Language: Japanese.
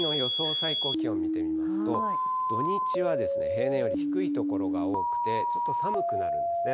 最高気温見てみますと、土日はですね、平年より低い所が多くて、ちょっと寒くなるんですね。